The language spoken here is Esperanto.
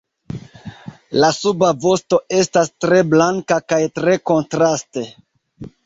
La suba vosto estas tre blanka kaj tre kontraste.